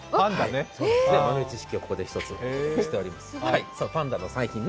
豆知識をここで１つお送りしております。